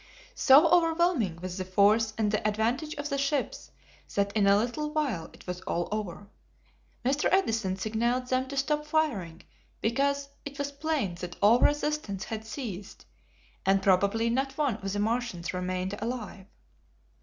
So overwhelming was the force and the advantage of the ships that in a little while it was all over. Mr. Edison signalled them to stop firing because it was plain that all resistance had ceased and probably not one of the Martians remained alive.